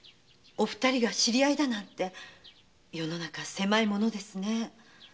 お二人が知り合いだなんて世の中狭いものですね。